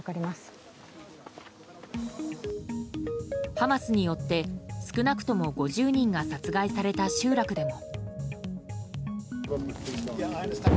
ハマスによって少なくとも５０人が殺害された集落でも。